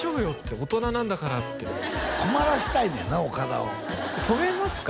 大人なんだから」って困らしたいねんな岡田を泊めますか？